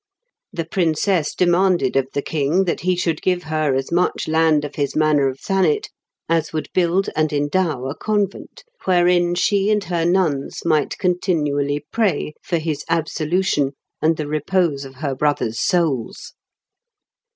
The princess demanded of the king that he should give her as much land of his manor of Thanet as would build and endow a convent, wherein she and her nuns might continually pray for his absolution and the repose of her brothers' souls.